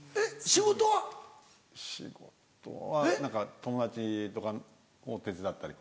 仕事は何か友達とかを手伝ったり。